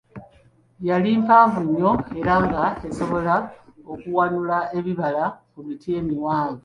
Yali mpanvu nnyo era nga esobola n'okuwanula ebibala ku miti emiwanvu.